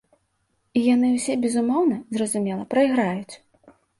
І яны ўсе безумоўна, зразумела, прайграюць.